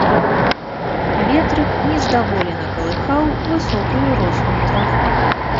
Ветрык нездаволена калыхаў высокую росную траву.